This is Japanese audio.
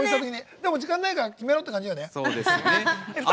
時間ないから決めろって感じよね。